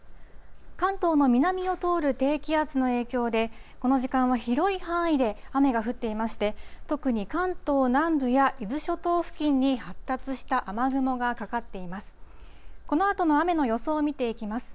関東の南を通る低気圧の影響で、この時間は広い範囲で雨が降っていまして、特に関東南部や伊豆諸島付近に発達した雨雲がかかっています。